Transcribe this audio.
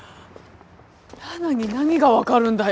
菜奈に何がわかるんだよ？